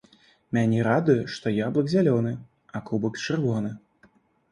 Мяне радуе, што яблык зялёны, а кубак чырвоны.